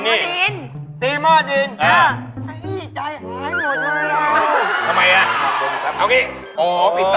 ตีที่หม้อดีน